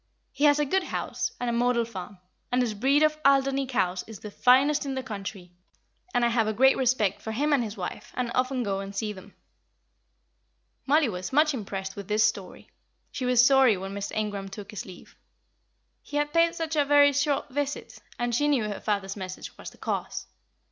He has a good house, and a model farm, and his breed of Alderney cows is the finest in the country; and I have a great respect for him and his wife, and often go and see them." Mollie was much impressed with this story; she was sorry when Mr. Ingram took his leave. He had paid such a very short visit, and she knew her father's message was the cause.